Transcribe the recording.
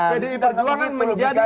pdi perjuangan menjadi ibu kandung kader